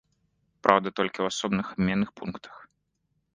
Праўда, толькі ў асобных абменных пунктах.